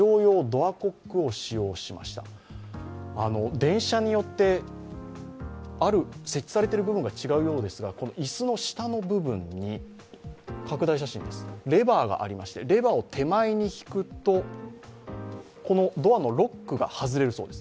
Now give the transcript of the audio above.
電車によって、設置されている部分が違うようですが椅子の下の部分にレバーがありまして、レバーを手前に引くとドアのロックが外れるそうです。